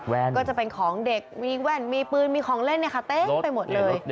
แว่นก็จะเป็นของเด็กมีแว่นมีปืนมีของเล่นเนี่ยค่ะเต้มไปหมดเลย